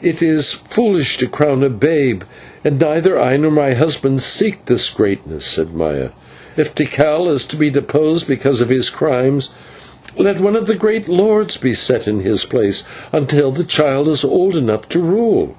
"It is foolish to crown a babe, and neither I nor my husband seek this greatness," said Maya. "If Tikal is to be deposed because of his crimes, let one of the great lords be set in his place until the child is old enough to rule."